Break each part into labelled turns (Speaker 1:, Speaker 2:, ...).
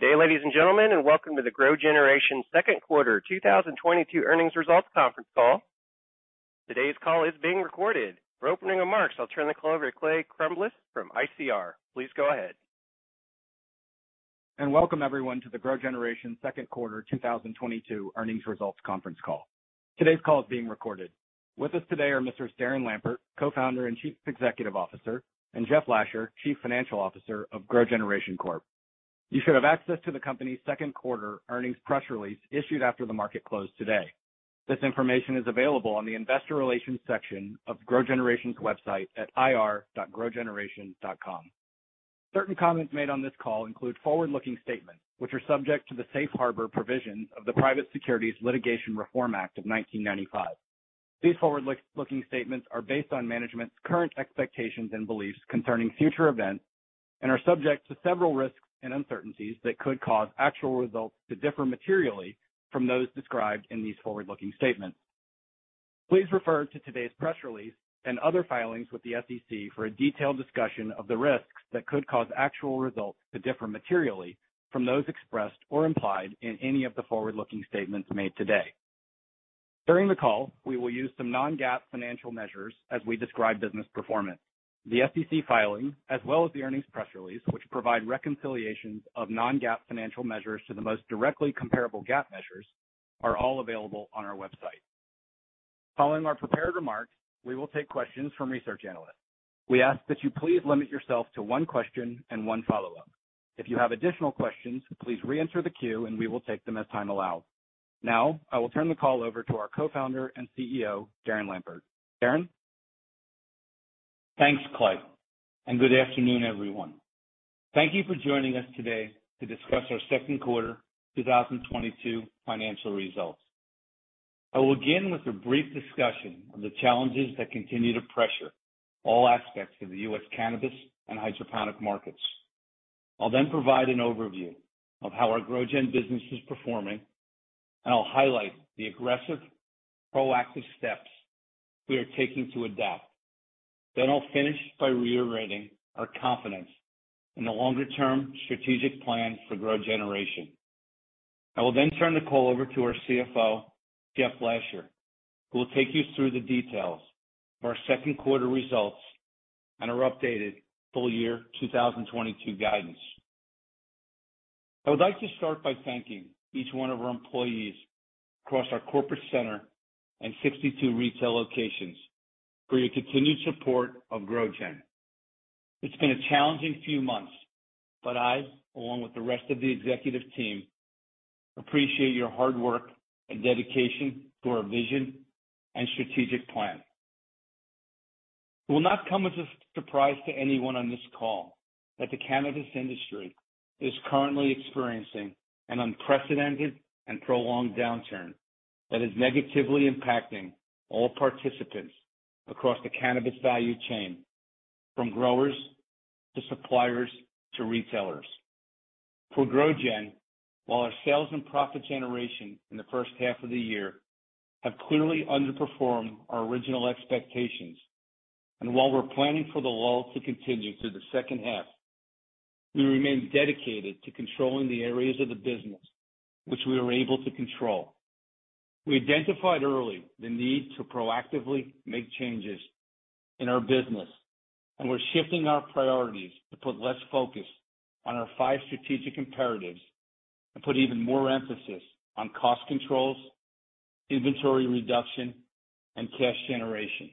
Speaker 1: Good day, ladies and gentlemen, and welcome to the GrowGeneration second quarter 2022 earnings results conference call. Today's call is being recorded. For opening remarks, I'll turn the call over to Clay Crumbliss from ICR. Please go ahead.
Speaker 2: Welcome everyone to the GrowGeneration second quarter 2022 earnings results conference call. Today's call is being recorded. With us today are Mr. Darren Lampert, Co-founder and Chief Executive Officer, and Jeff Lasher, Chief Financial Officer of GrowGeneration Corp. You should have access to the company's second quarter earnings press release issued after the market closed today. This information is available on the investor relations section of GrowGeneration's website at ir.growgeneration.com. Certain comments made on this call include forward-looking statements, which are subject to the safe harbor provisions of the Private Securities Litigation Reform Act of 1995. These forward-looking statements are based on management's current expectations and beliefs concerning future events and are subject to several risks and uncertainties that could cause actual results to differ materially from those described in these forward-looking statements. Please refer to today's press release and other filings with the SEC for a detailed discussion of the risks that could cause actual results to differ materially from those expressed or implied in any of the forward-looking statements made today. During the call, we will use some non-GAAP financial measures as we describe business performance. The SEC filing, as well as the earnings press release, which provide reconciliations of non-GAAP financial measures to the most directly comparable GAAP measures, are all available on our website. Following our prepared remarks, we will take questions from research analysts. We ask that you please limit yourself to one question and one follow-up. If you have additional questions, please reenter the queue, and we will take them as time allows. Now, I will turn the call over to our Co-founder and CEO, Darren Lampert. Darren.
Speaker 3: Thanks, Clay, and good afternoon, everyone. Thank you for joining us today to discuss our second quarter 2022 financial results. I will begin with a brief discussion of the challenges that continue to pressure all aspects of the U.S. cannabis and hydroponic markets. I'll then provide an overview of how our GrowGen business is performing, and I'll highlight the aggressive, proactive steps we are taking to adapt. I'll finish by reiterating our confidence in the longer-term strategic plan for GrowGeneration. I will then turn the call over to our CFO, Jeff Lasher, who will take you through the details of our second quarter results and our updated full year 2022 guidance. I would like to start by thanking each one of our employees across our corporate center and 62 retail locations for your continued support of GrowGen. It's been a challenging few months, but I, along with the rest of the executive team, appreciate your hard work and dedication to our vision and strategic plan. It will not come as a surprise to anyone on this call that the cannabis industry is currently experiencing an unprecedented and prolonged downturn that is negatively impacting all participants across the cannabis value chain, from growers to suppliers to retailers. For GrowGen, while our sales and profit generation in the first half of the year have clearly underperformed our original expectations, and while we're planning for the lull to continue through the second half, we remain dedicated to controlling the areas of the business which we are able to control. We identified early the need to proactively make changes in our business, and we're shifting our priorities to put less focus on our five strategic imperatives and put even more emphasis on cost controls, inventory reduction, and cash generation.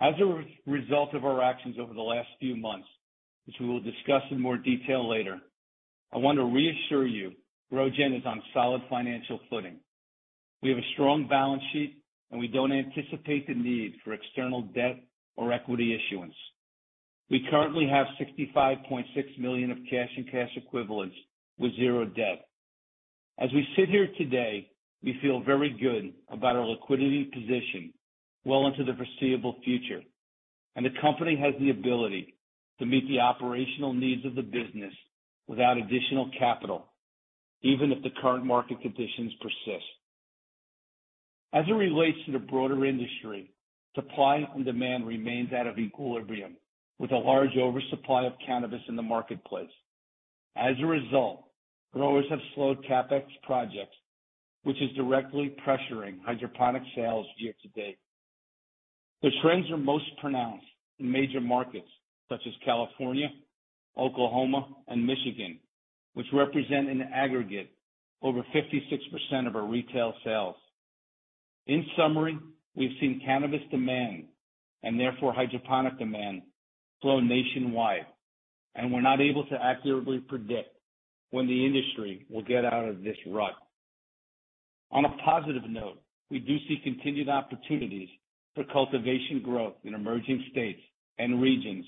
Speaker 3: As a result of our actions over the last few months, which we will discuss in more detail later, I want to reassure you GrowGen is on solid financial footing. We have a strong balance sheet, and we don't anticipate the need for external debt or equity issuance. We currently have $65.6 million of cash and cash equivalents with zero debt. As we sit here today, we feel very good about our liquidity position well into the foreseeable future, and the company has the ability to meet the operational needs of the business without additional capital, even if the current market conditions persist. As it relates to the broader industry, supply and demand remains out of equilibrium with a large oversupply of cannabis in the marketplace. As a result, growers have slowed CapEx projects, which is directly pressuring hydroponic sales year to date. The trends are most pronounced in major markets such as California, Oklahoma, and Michigan, which represent, in aggregate, over 56% of our retail sales. In summary, we've seen cannabis demand, and therefore hydroponic demand, slow nationwide, and we're not able to accurately predict when the industry will get out of this rut. On a positive note, we do see continued opportunities for cultivation growth in emerging states and regions,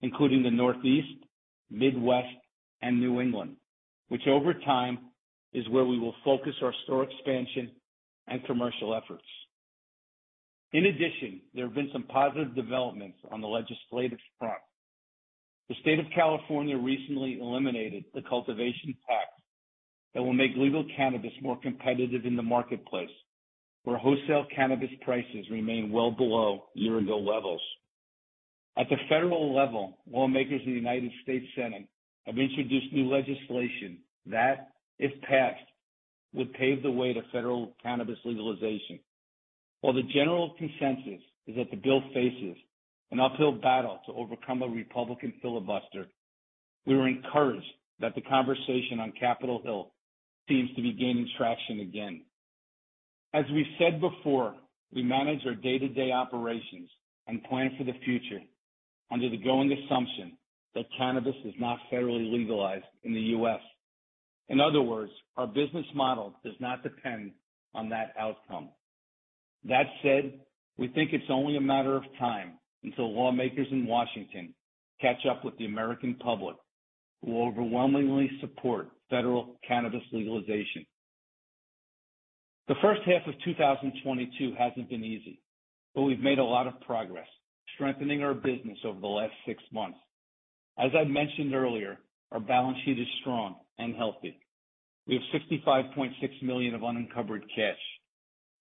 Speaker 3: including the Northeast, Midwest, and New England, which over time is where we will focus our store expansion and commercial efforts. In addition, there have been some positive developments on the legislative front. The state of California recently eliminated the cultivation tax. That will make legal cannabis more competitive in the marketplace, where wholesale cannabis prices remain well below year-ago levels. At the federal level, lawmakers in the United States Senate have introduced new legislation that, if passed, would pave the way to federal cannabis legalization. While the general consensus is that the bill faces an uphill battle to overcome a Republican filibuster, we are encouraged that the conversation on Capitol Hill seems to be gaining traction again. As we said before, we manage our day-to-day operations and plan for the future under the going assumption that cannabis is not federally legalized in the U.S. In other words, our business model does not depend on that outcome. That said, we think it's only a matter of time until lawmakers in Washington catch up with the American public, who overwhelmingly support federal cannabis legalization. The first half of 2022 hasn't been easy, but we've made a lot of progress strengthening our business over the last six months. As I mentioned earlier, our balance sheet is strong and healthy. We have $65.6 million of unencumbered cash.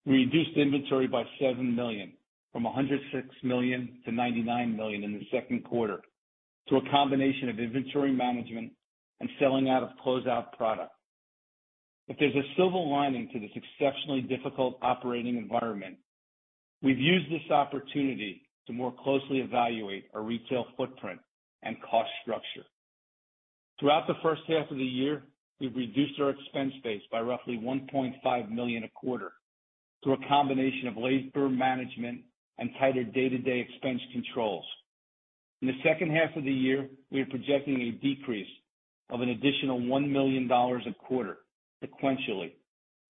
Speaker 3: We reduced inventory by $7 million, from $106 million to $99 million in the second quarter, through a combination of inventory management and selling out of closeout product. If there's a silver lining to this exceptionally difficult operating environment, we've used this opportunity to more closely evaluate our retail footprint and cost structure. Throughout the first half of the year, we've reduced our expense base by roughly $1.5 million a quarter through a combination of labor management and tighter day-to-day expense controls. In the second half of the year, we are projecting a decrease of an additional $1 million a quarter sequentially,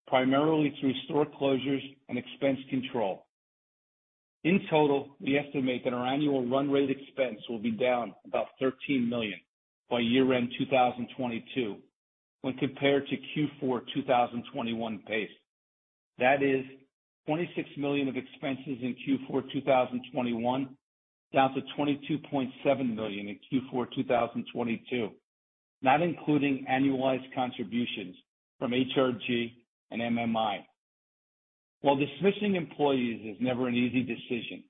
Speaker 3: primarily through store closures and expense control. In total, we estimate that our annual run rate expense will be down about $13 million by year-end 2022 when compared to Q4 2021 pace. That is $26 million of expenses in Q4 2021, down to $22.7 million in Q4 2022, not including annualized contributions from HRG and MMI. While dismissing employees is never an easy decision,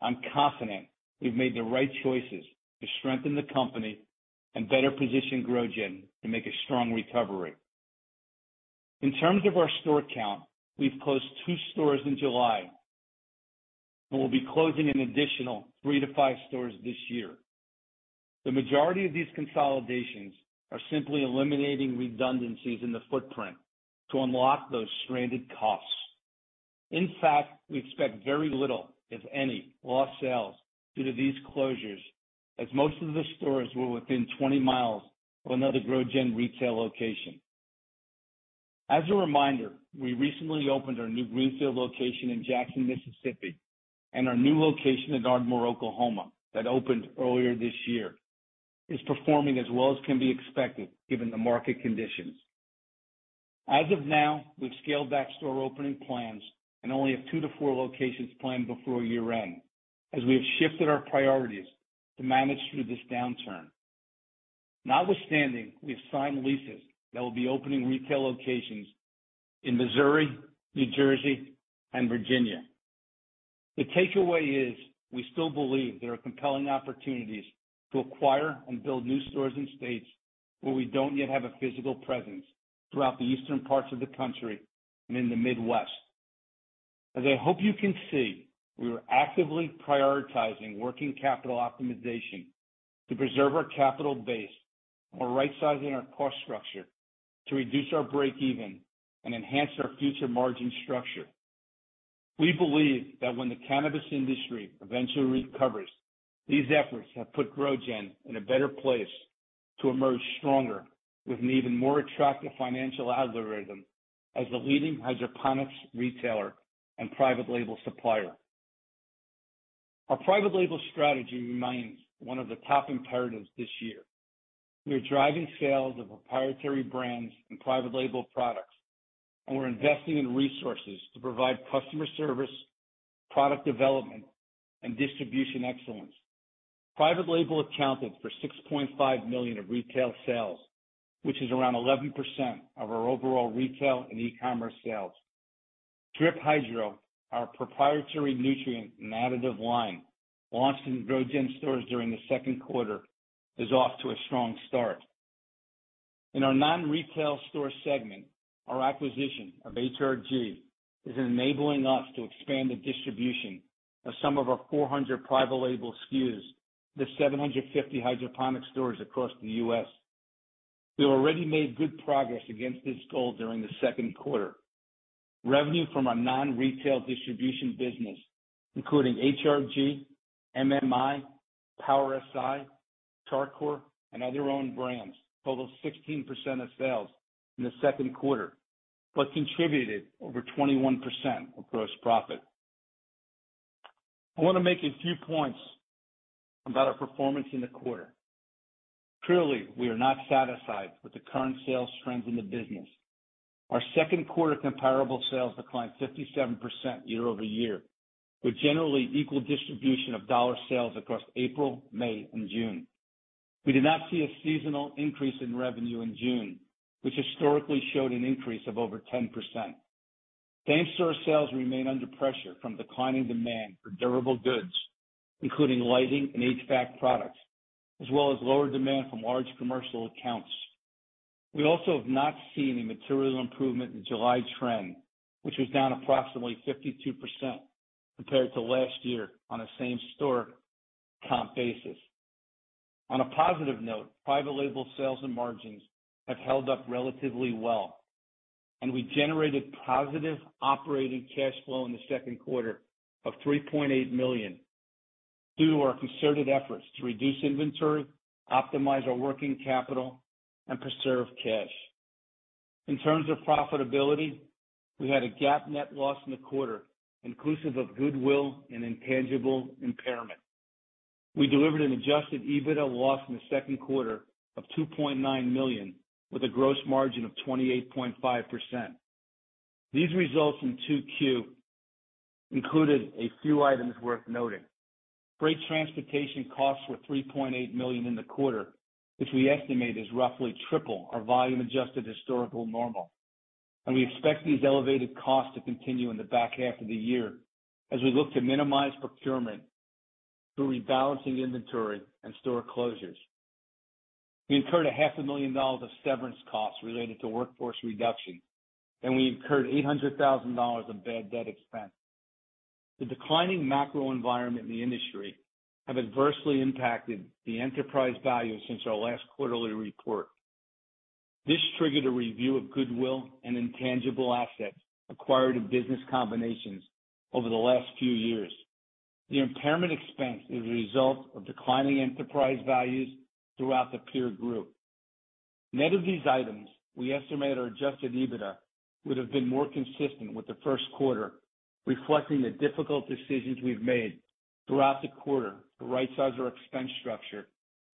Speaker 3: I'm confident we've made the right choices to strengthen the company and better position GrowGen to make a strong recovery. In terms of our store count, we've closed two stores in July and we'll be closing an additional three to five stores this year. The majority of these consolidations are simply eliminating redundancies in the footprint to unlock those stranded costs. In fact, we expect very little, if any, lost sales due to these closures, as most of the stores were within 20 mi of another GrowGen retail location. As a reminder, we recently opened our new greenfield location in Jackson, Mississippi, and our new location in Ardmore, Oklahoma, that opened earlier this year, is performing as well as can be expected given the market conditions. As of now, we've scaled back store opening plans and only have 2-4 locations planned before year-end as we have shifted our priorities to manage through this downturn. Notwithstanding, we have signed leases that will be opening retail locations in Missouri, New Jersey, and Virginia. The takeaway is we still believe there are compelling opportunities to acquire and build new stores in states where we don't yet have a physical presence throughout the eastern parts of the country and in the Midwest. As I hope you can see, we are actively prioritizing working capital optimization to preserve our capital base while rightsizing our cost structure to reduce our break even and enhance our future margin structure. We believe that when the cannabis industry eventually recovers, these efforts have put GrowGeneration in a better place to emerge stronger with an even more attractive financial algorithm as the leading hydroponics retailer and private label supplier. Our private label strategy remains one of the top imperatives this year. We are driving sales of proprietary brands and private label products, and we're investing in resources to provide customer service, product development, and distribution excellence. Private label accounted for $6.5 million of retail sales, which is around 11% of our overall retail and e-commerce sales. Drip Hydro, our proprietary nutrient and additive line launched in GrowGen stores during the second quarter, is off to a strong start. In our non-retail store segment, our acquisition of HRG is enabling us to expand the distribution of some of our 400 private label SKUs to 750 hydroponic stores across the U.S. We already made good progress against this goal during the second quarter. Revenue from our non-retail distribution business, including HRG, MMI, Power Si, Char Coir, and other owned brands, total 16% of sales in the second quarter, but contributed over 21% of gross profit. I wanna make a few points about our performance in the quarter. Clearly, we are not satisfied with the current sales trends in the business. Our second quarter comparable sales declined 57% year-over-year, with generally equal distribution of dollar sales across April, May, and June. We did not see a seasonal increase in revenue in June, which historically showed an increase of over 10%. Same-store sales remain under pressure from declining demand for durable goods, including lighting and HVAC products, as well as lower demand from large commercial accounts. We also have not seen any material improvement in July trend, which was down approximately 52% compared to last year on a same-store comp basis. On a positive note, private label sales and margins have held up relatively well, and we generated positive operating cash flow in the second quarter of $3.8 million due to our concerted efforts to reduce inventory, optimize our working capital, and preserve cash. In terms of profitability, we had a GAAP net loss in the quarter inclusive of goodwill and intangible impairment. We delivered an adjusted EBITDA loss in the second quarter of $2.9 million, with a gross margin of 28.5%. These results in 2Q included a few items worth noting. Freight transportation costs were $3.8 million in the quarter, which we estimate is roughly triple our volume-adjusted historical normal, and we expect these elevated costs to continue in the back half of the year as we look to minimize procurement through rebalancing inventory and store closures. We incurred $500,000 of severance costs related to workforce reduction, and we incurred $800,000 of bad debt expense. The declining macro environment in the industry have adversely impacted the enterprise value since our last quarterly report. This triggered a review of goodwill and intangible assets acquired in business combinations over the last few years. The impairment expense is a result of declining enterprise values throughout the peer group. Net of these items, we estimate our adjusted EBITDA would have been more consistent with the first quarter, reflecting the difficult decisions we've made throughout the quarter to rightsize our expense structure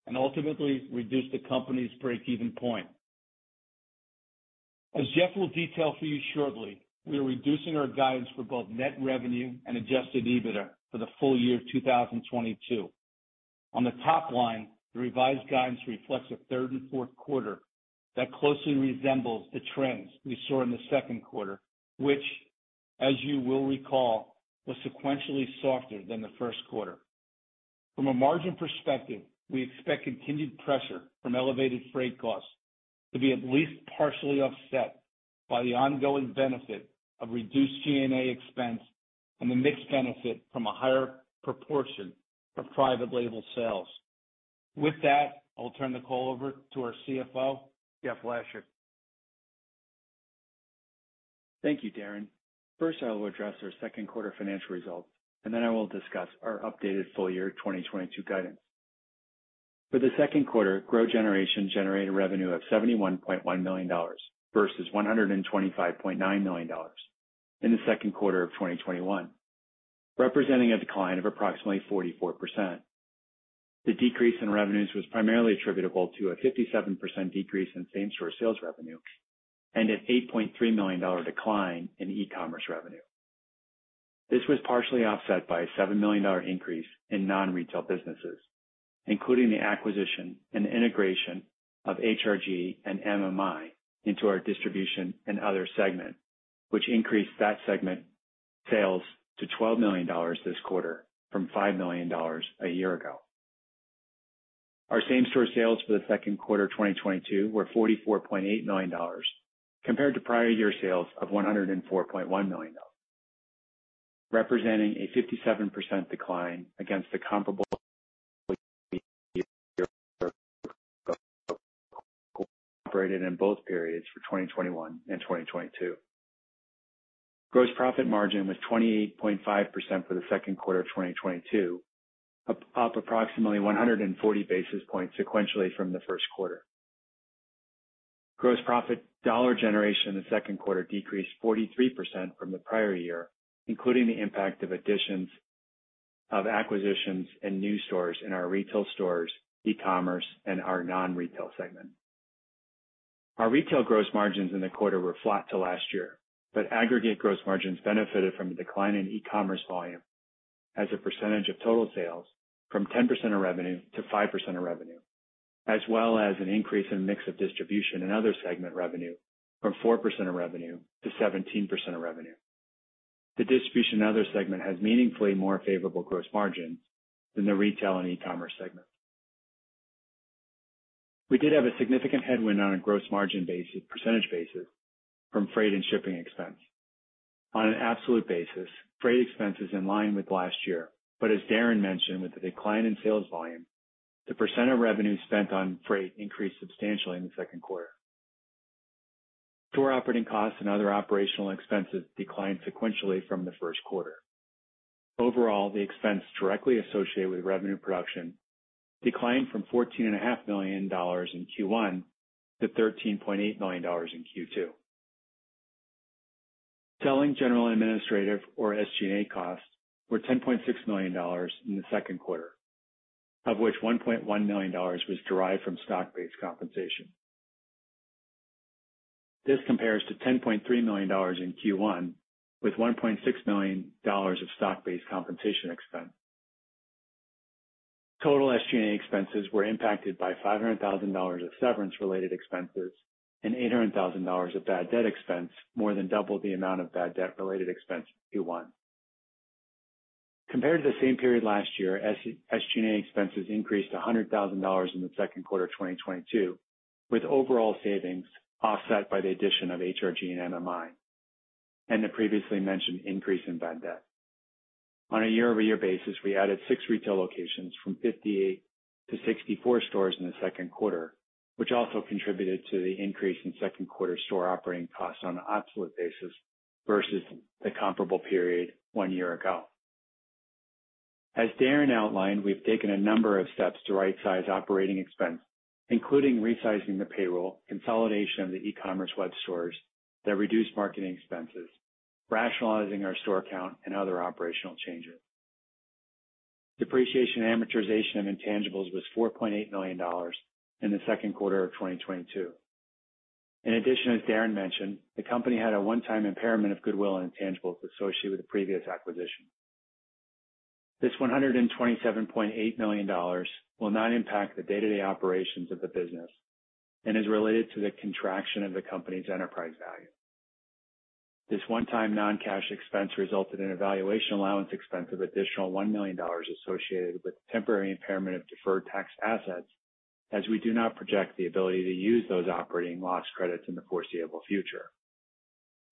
Speaker 3: and ultimately reduce the company's breakeven point. As Jeff will detail for you shortly, we are reducing our guidance for both net revenue and adjusted EBITDA for the full year of 2022. On the top line, the revised guidance reflects a third and fourth quarter that closely resembles the trends we saw in the second quarter, which, as you will recall, was sequentially softer than the first quarter. From a margin perspective, we expect continued pressure from elevated freight costs to be at least partially offset by the ongoing benefit of reduced G&A expense and the mix benefit from a higher proportion of private label sales. With that, I'll turn the call over to our CFO, Jeff Lasher.
Speaker 4: Thank you, Darren. First, I will address our second quarter financial results, and then I will discuss our updated full year 2022 guidance. For the second quarter, GrowGeneration generated revenue of $71.1 million versus $125.9 million in the second quarter of 2021, representing a decline of approximately 44%. The decrease in revenues was primarily attributable to a 57% decrease in same-store sales revenue and an $8.3 million decline in e-commerce revenue. This was partially offset by a $7 million increase in non-retail businesses, including the acquisition and integration of HRG and MMI into our distribution and other segment, which increased that segment sales to $12 million this quarter from $5 million a year ago. Our same-store sales for the second quarter 2022 were $44.8 million compared to prior year sales of $104.1 million, representing a 57% decline against the comparable period, operated in both periods for 2021 and 2022. Gross profit margin was 28.5% for the second quarter of 2022, up approximately 140 basis points sequentially from the first quarter. Gross profit dollar generation in the second quarter decreased 43% from the prior year, including the impact of additions of acquisitions and new stores in our retail stores, e-commerce, and our non-retail segment. Our retail gross margins in the quarter were flat to last year, but aggregate gross margins benefited from a decline in e-commerce volume as a percentage of total sales from 10% of revenue to 5% of revenue, as well as an increase in mix of distribution in other segment revenue from 4% of revenue to 17% of revenue. The distribution other segment has meaningfully more favorable gross margin than the retail and e-commerce segment. We did have a significant headwind on a gross margin basis, percentage basis from freight and shipping expense. On an absolute basis, freight expense is in line with last year. As Darren mentioned, with the decline in sales volume, the percent of revenue spent on freight increased substantially in the second quarter. Store operating costs and other operational expenses declined sequentially from the first quarter. Overall, the expense directly associated with revenue production declined from $14.5 million in Q1 to $13.8 million in Q2. Selling, general, and administrative or SG&A costs were $10.6 million in the second quarter, of which $1.1 million was derived from stock-based compensation. This compares to $10.3 million in Q1, with $1.6 million of stock-based compensation expense. Total SG&A expenses were impacted by $500,000 of severance related expenses and $800,000 of bad debt expense, more than double the amount of bad debt related expense in Q1. Compared to the same period last year, SG&A expenses increased $100,000 in the second quarter of 2022, with overall savings offset by the addition of HRG and MMI and the previously mentioned increase in bad debt. On a year-over-year basis, we added six retail locations from 58 to 64 stores in the second quarter, which also contributed to the increase in second quarter store operating costs on an absolute basis versus the comparable period one year ago. As Darren outlined, we've taken a number of steps to right-size operating expense, including resizing the payroll, consolidation of the e-commerce web stores that reduce marketing expenses, rationalizing our store count, and other operational changes. Depreciation and amortization of intangibles was $4.8 million in the second quarter of 2022. In addition, as Darren mentioned, the company had a one-time impairment of goodwill and intangibles associated with the previous acquisition. This $127.8 million will not impact the day-to-day operations of the business and is related to the contraction of the company's enterprise value. This one-time non-cash expense resulted in a valuation allowance expense of additional $1 million associated with temporary impairment of deferred tax assets, as we do not project the ability to use those operating loss credits in the foreseeable future.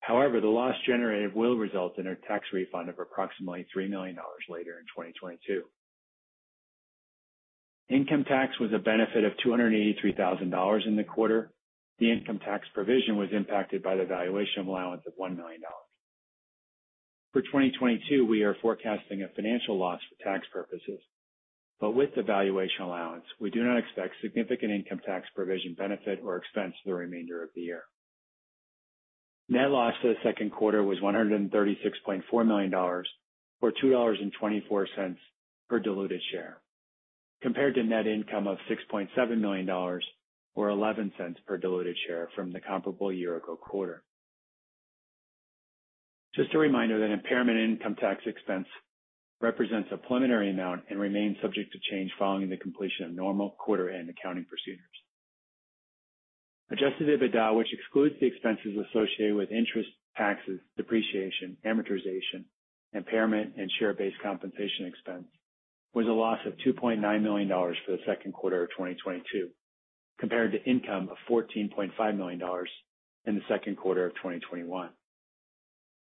Speaker 4: However, the loss generated will result in a tax refund of approximately $3 million later in 2022. Income tax was a benefit of $283,000 in the quarter. The income tax provision was impacted by the valuation allowance of $1 million. For 2022, we are forecasting a financial loss for tax purposes, but with the valuation allowance, we do not expect significant income tax provision benefit or expense for the remainder of the year. Net loss for the second quarter was $136.4 million or $2.24 per diluted share, compared to net income of $6.7 million or $0.11 per diluted share from the comparable year-ago quarter. Just a reminder that impairment income tax expense represents a preliminary amount and remains subject to change following the completion of normal quarter-end accounting procedures. Adjusted EBITDA, which excludes the expenses associated with interest, taxes, depreciation, amortization, impairment, and share-based compensation expense, was a loss of $2.9 million for the second quarter of 2022, compared to income of $14.5 million in the second quarter of 2021.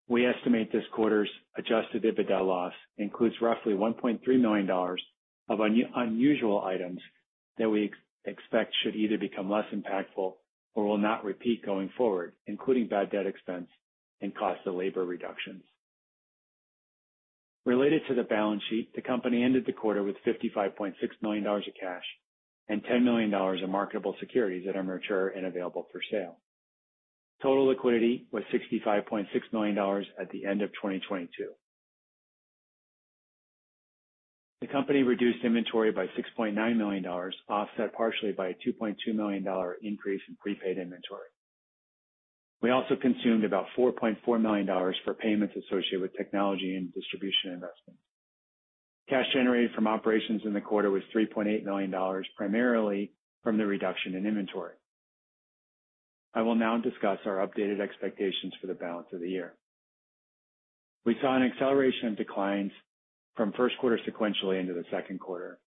Speaker 4: We estimate this quarter's adjusted EBITDA loss includes roughly $1.3 million of unusual items that we expect should either become less impactful or will not repeat going forward, including bad debt expense and cost of labor reductions. Related to the balance sheet, the company ended the quarter with $55.6 million of cash and $10 million of marketable securities that are mature and available for sale. Total liquidity was $65.6 million at the end of 2022. The company reduced inventory by $6.9 million, offset partially by a $2.2 million dollar increase in prepaid inventory. We also consumed about $4.4 million for payments associated with technology and distribution investments. Cash generated from operations in the quarter was $3.8 million, primarily from the reduction in inventory. I will now discuss our updated expectations for the balance of the year. We saw an acceleration of declines from first quarter sequentially into the second quarter.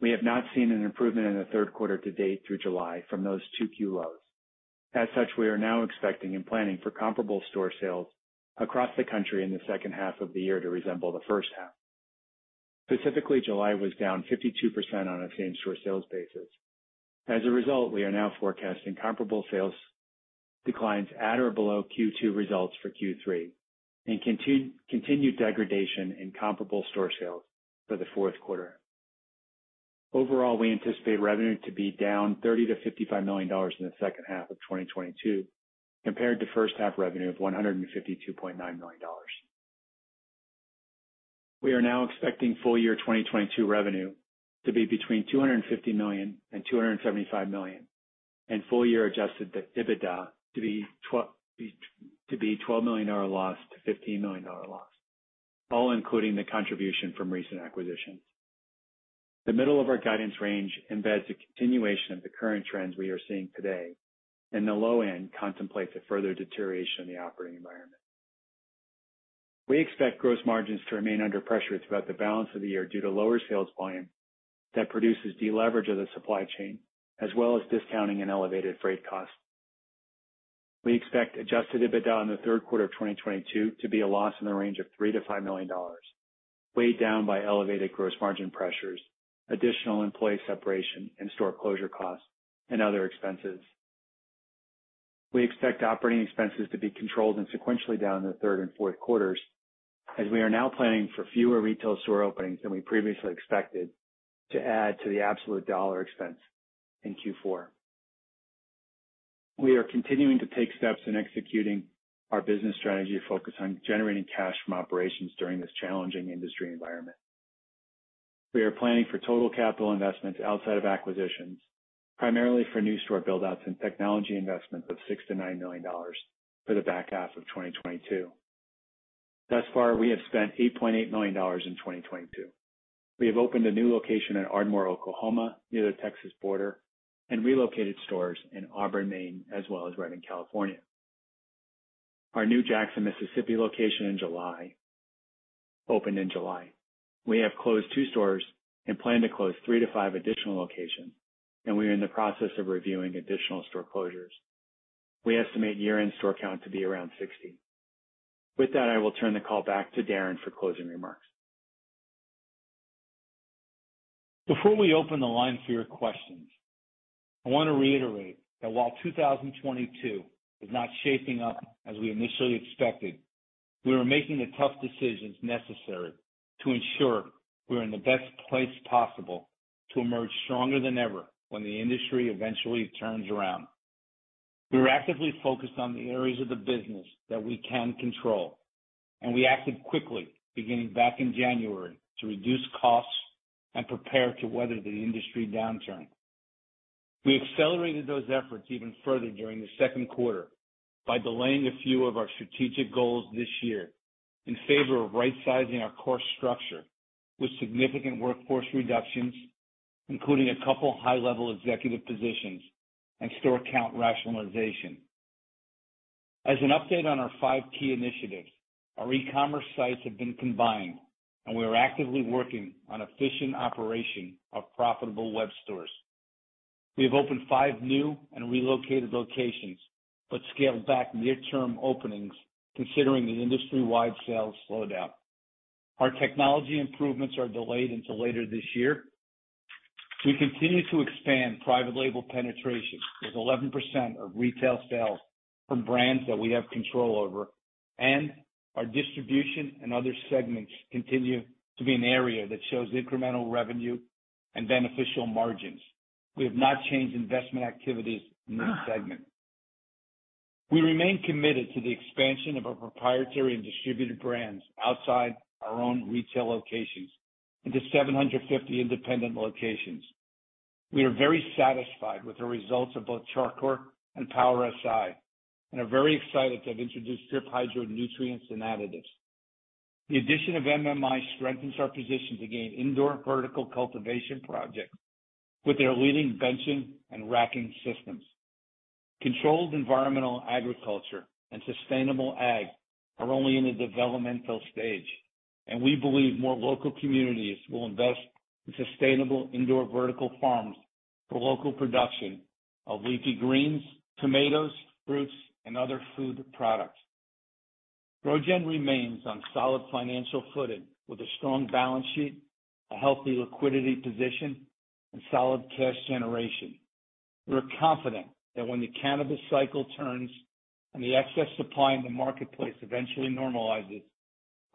Speaker 4: We have not seen an improvement in the third quarter to date through July from those two Q lows. As such, we are now expecting and planning for comparable store sales across the country in the second half of the year to resemble the first half. Specifically, July was down 52% on a same-store sales basis. As a result, we are now forecasting comparable sales declines at or below Q2 results for Q3 and continued degradation in comparable store sales for the fourth quarter. Overall, we anticipate revenue to be down $30 million-$55 million in the second half of 2022, compared to first half revenue of $152.9 million. We are now expecting full year 2022 revenue to be between $250 million and $275 million and full year adjusted EBITDA to be a $12 million loss to $15 million loss, all including the contribution from recent acquisitions. The middle of our guidance range embeds a continuation of the current trends we are seeing today, and the low end contemplates a further deterioration in the operating environment. We expect gross margins to remain under pressure throughout the balance of the year due to lower sales volume that produces deleverage of the supply chain, as well as discounting and elevated freight costs. We expect adjusted EBITDA in the third quarter of 2022 to be a loss in the range of $3 million-$5 million, weighed down by elevated gross margin pressures, additional employee separation and store closure costs, and other expenses. We expect operating expenses to be controlled and sequentially down in the third and fourth quarters. As we are now planning for fewer retail store openings than we previously expected to add to the absolute dollar expense in Q4. We are continuing to take steps in executing our business strategy focus on generating cash from operations during this challenging industry environment. We are planning for total capital investments outside of acquisitions, primarily for new store build-outs and technology investments of $6 million-$9 million for the back half of 2022. Thus far, we have spent $8.8 million in 2022. We have opened a new location in Ardmore, Oklahoma, near the Texas border, and relocated stores in Auburn, Maine, as well as Redding, California. Our new Jackson, Mississippi location in July opened in July. We have closed two stores and plan to close three to five additional locations, and we are in the process of reviewing additional store closures. We estimate year-end store count to be around 60. With that, I will turn the call back to Darren for closing remarks.
Speaker 3: Before we open the line for your questions, I want to reiterate that while 2022 is not shaping up as we initially expected, we are making the tough decisions necessary to ensure we are in the best place possible to emerge stronger than ever when the industry eventually turns around. We are actively focused on the areas of the business that we can control, and we acted quickly, beginning back in January, to reduce costs and prepare to weather the industry downturn. We accelerated those efforts even further during the second quarter by delaying a few of our strategic goals this year in favor of rightsizing our core structure with significant workforce reductions, including a couple high-level executive positions and store count rationalization. As an update on our five key initiatives, our e-commerce sites have been combined, and we are actively working on efficient operation of profitable web stores. We have opened five new and relocated locations but scaled back near-term openings considering the industry-wide sales slowdown. Our technology improvements are delayed until later this year. We continue to expand private label penetration with 11% of retail sales from brands that we have control over, and our distribution and other segments continue to be an area that shows incremental revenue and beneficial margins. We have not changed investment activities in this segment. We remain committed to the expansion of our proprietary and distributed brands outside our own retail locations into 750 independent locations. We are very satisfied with the results of both Char Coir and Power Si and are very excited to have introduced Drip Hydro Nutrients and Additives. The addition of MMI strengthens our position to gain indoor vertical cultivation projects with their leading benching and racking systems. Controlled environmental agriculture and sustainable ag are only in a developmental stage, and we believe more local communities will invest in sustainable indoor vertical farms for local production of leafy greens, tomatoes, fruits, and other food products. GrowGen remains on solid financial footing with a strong balance sheet, a healthy liquidity position, and solid cash generation. We're confident that when the cannabis cycle turns and the excess supply in the marketplace eventually normalizes,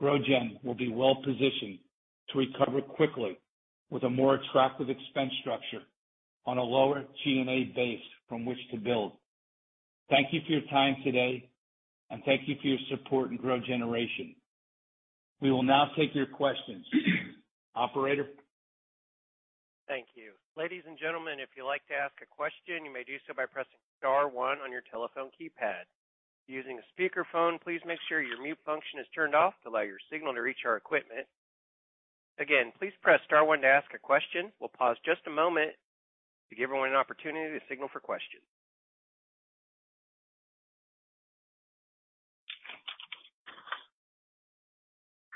Speaker 3: GrowGen will be well positioned to recover quickly with a more attractive expense structure on a lower G&A base from which to build. Thank you for your time today, and thank you for your support in GrowGeneration. We will now take your questions. Operator.
Speaker 1: Thank you. Ladies and gentlemen, if you'd like to ask a question, you may do so by pressing star one on your telephone keypad. If you're using a speakerphone, please make sure your mute function is turned off to allow your signal to reach our equipment. Again, please press star one to ask a question. We'll pause just a moment to give everyone an opportunity to signal for questions.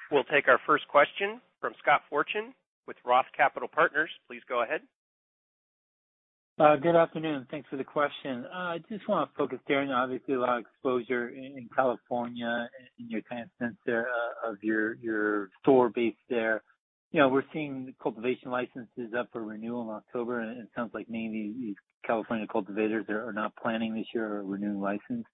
Speaker 1: We'll take our first question from Scott Fortune with Roth Capital Partners. Please go ahead.
Speaker 5: Good afternoon. Thanks for the question. I just want to focus, Darren, obviously a lot of exposure in California in your kind of sense there of your store base there. You know, we're seeing cultivation licenses up for renewal in October, and it sounds like maybe these California cultivators are not planning this year or renewing license.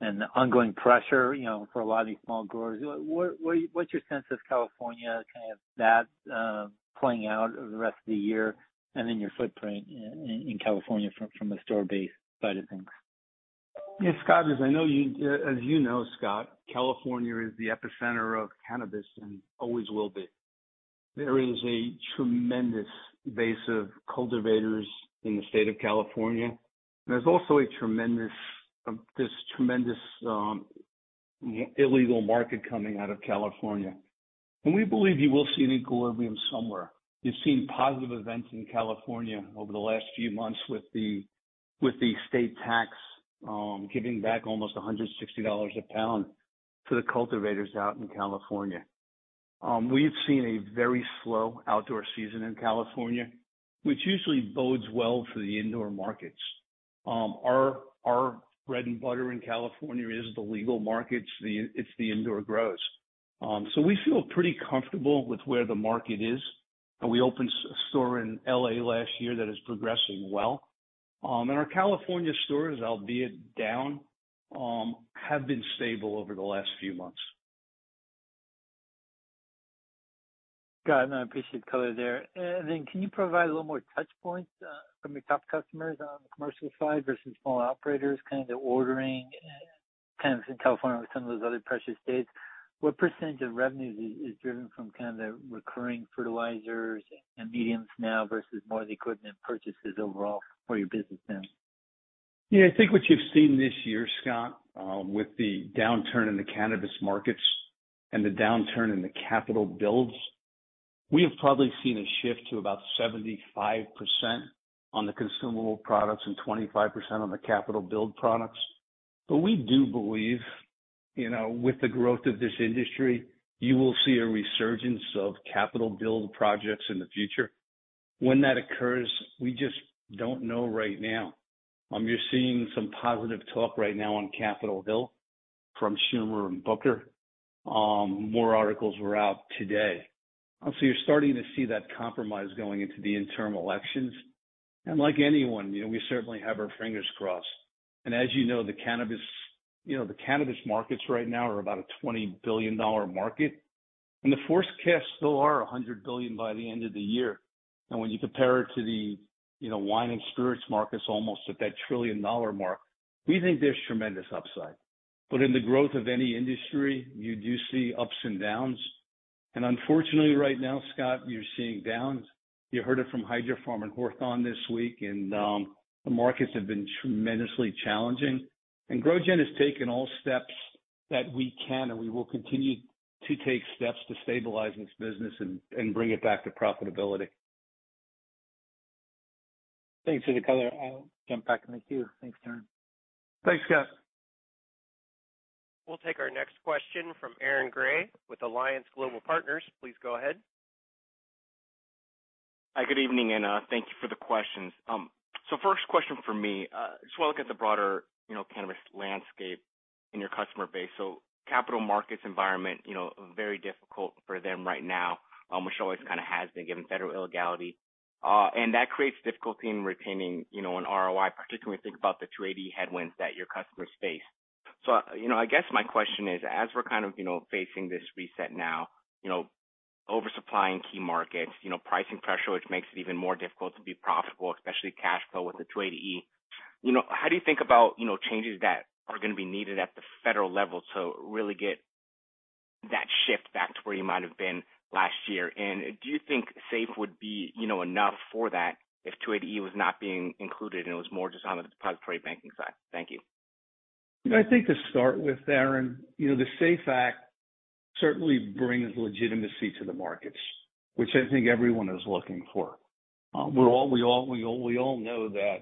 Speaker 5: The ongoing pressure, you know, for a lot of these small growers. What's your sense of California, kind of that playing out over the rest of the year and then your footprint in California from a store base side of things?
Speaker 3: Yes, Scott. As you know, Scott, California is the epicenter of cannabis and always will be. There is a tremendous base of cultivators in the state of California. There's also a tremendous illegal market coming out of California. We believe you will see an equilibrium somewhere. You've seen positive events in California over the last few months with the state tax giving back almost $160 a pound to the cultivators out in California. We've seen a very slow outdoor season in California, which usually bodes well for the indoor markets. Our bread and butter in California is the legal markets. It's the indoor grows. We feel pretty comfortable with where the market is. We opened a store in L.A. last year that is progressing well. Our California stores, albeit down, have been stable over the last few months.
Speaker 5: Got it. I appreciate the color there. Can you provide a little more touch points from your top customers on the commercial side versus small operators, kind of the ordering and kind of in California with some of those other precious states. What percentage of revenue is driven from kind of the recurring fertilizers and mediums now versus more of the equipment purchases overall for your business now?
Speaker 3: Yeah. I think what you've seen this year, Scott, with the downturn in the cannabis markets and the downturn in the capital builds, we have probably seen a shift to about 75% on the consumable products and 25% on the capital build products. We do believe, you know, with the growth of this industry, you will see a resurgence of capital build projects in the future. When that occurs, we just don't know right now. You're seeing some positive talk right now on Capitol Hill from Schumer and Booker. More articles were out today. You're starting to see that compromise going into the interim elections. Like anyone, you know, we certainly have our fingers crossed. As you know, the cannabis, you know, the cannabis markets right now are about a $20 billion market. The forecast still are $100 billion by the end of the year. When you compare it to the, you know, wine and spirits markets almost at that $1 trillion mark, we think there's tremendous upside. In the growth of any industry, you do see ups and downs. Unfortunately right now, Scott, you're seeing downs. You heard it from Hydrofarm and Hawthorne this week. The markets have been tremendously challenging. GrowGen has taken all steps that we can, and we will continue to take steps to stabilize this business and bring it back to profitability.
Speaker 5: Thanks for the color. I'll jump back in the queue. Thanks, Darren.
Speaker 3: Thanks, Scott.
Speaker 1: We'll take our next question from Aaron Grey with Alliance Global Partners. Please go ahead.
Speaker 6: Hi. Good evening, and thank you for the questions. First question from me, just want to look at the broader, you know, cannabis landscape in your customer base. Capital markets environment, you know, very difficult for them right now, which always kind of has been given federal illegality. That creates difficulty in retaining, you know, an ROI, particularly when you think about the 280E headwinds that your customers face. I guess my question is, as we're kind of, you know, facing this reset now, you know, oversupplying key markets, you know, pricing pressure, which makes it even more difficult to be profitable, especially cash flow with the 280E. You know, how do you think about, you know, changes that are gonna be needed at the federal level to really get that shift back to where you might have been last year? Do you think SAFE would be, you know, enough for that if 280E was not being included and it was more just on the depository banking side? Thank you.
Speaker 3: I think to start with, Aaron, you know, the SAFE Act certainly brings legitimacy to the markets, which I think everyone is looking for. We all know that,